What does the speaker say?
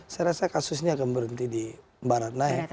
saya rasa kasus ini akan berhenti di baratna ya